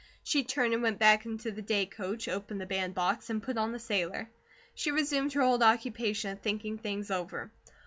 She turned and went back into the day coach, opened the bandbox, and put on the sailor. She resumed her old occupation of thinking things over.